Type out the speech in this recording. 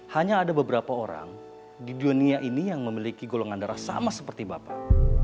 hanya ada beberapa orang di dunia ini yang memiliki golongan darah sama seperti bapak